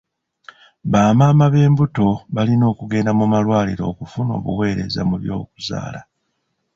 Bamaama b'embuto balina okugenda mu malwaliro okufuna obuweereza mu by'okuzaala.